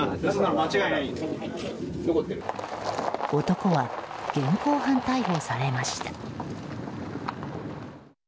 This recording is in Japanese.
男は現行犯逮捕されました。